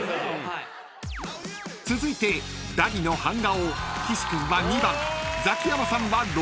［続いてダリの版画を岸君は２番ザキヤマさんは６番と予想］